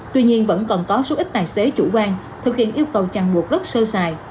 tuy nhiên vẫn còn có số ít tài xế chủ quan thực hiện yêu cầu chẳng buộc rất sơ sài